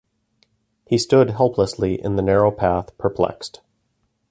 He stood helplessly in the narrow path, perplexed.